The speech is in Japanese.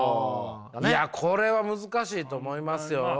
いやこれは難しいと思いますよ。